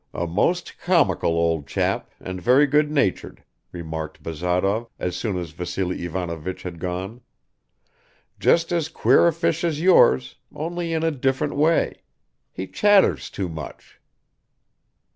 A most comical old chap and very good natured," remarked Bazarov, as soon as Vassily Ivanovich had gone. "Just as queer a fish as yours, only in a different way. He chatters too much."